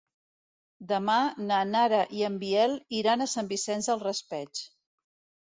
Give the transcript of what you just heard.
Demà na Nara i en Biel iran a Sant Vicent del Raspeig.